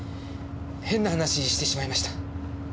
変な話してしまいました。